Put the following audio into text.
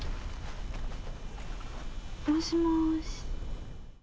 もしもし？